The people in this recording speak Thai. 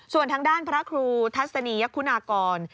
ส่วนทางด้านพระครูทัศนียคุณากร